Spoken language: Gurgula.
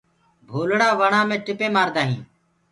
ڀولڙآ وڻآ مينٚ ٽِپينٚ مآردآ هينٚ۔